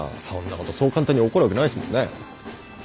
そんなことそう簡単に起こるわけないですもんね。